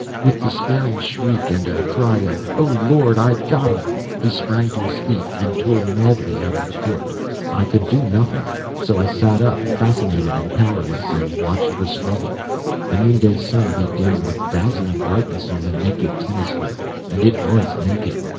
With despairing shriek and a cry of "O Lord, I've got 'em!" he sprang to his feet and tore madly out of the court. I could do nothing, so I sat up, fascinated and powerless, and watched the struggle. The noonday sun beat down with dazzling brightness on the naked tennis court. And it was naked.